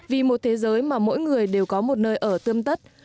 vì một thế giới mà mỗi người đều có một nơi ở tươm tất